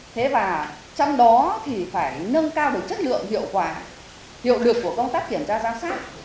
thế và trong đó thì phải nâng cao được chất lượng hiệu quả hiệu lực của công tác kiểm tra giám sát